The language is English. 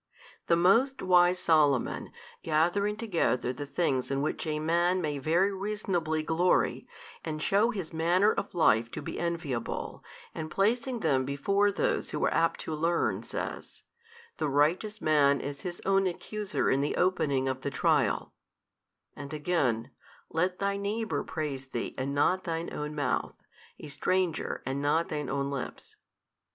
The most wise Solomon, gathering together the things in which a man may very reasonably glory, and shew his manner of life to be enviable, and placing them before those who are apt to learn, says, The righteous man is his own accuser in the opening of the trial, and again, Let thy neighbour praise thee and not thine own mouth, a stranger and not thine own lips.